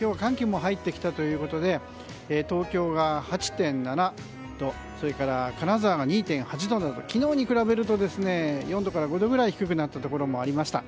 今日、寒気も入ってきたということで東京が８．７度金沢が２．８度など昨日に比べると４度から５度ぐらい低くなったところもありました。